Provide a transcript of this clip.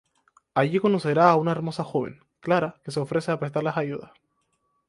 Allí conocerá a una hermosa joven, Clara, que se ofrece a prestarle ayuda.